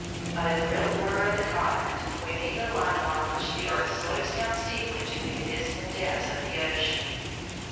By the real border of the continent we mean the line along which the earth slopes down steeply to the abysmal depths of the ocean.